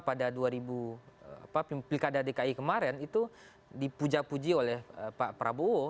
pada dua ribu apa pilih kada dki kemarin itu dipuja puji oleh pak prabowo